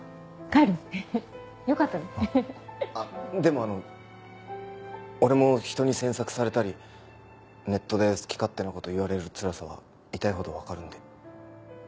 あっでも俺も人に詮索されたりネットで好き勝手な事言われるつらさは痛いほどわかるんで。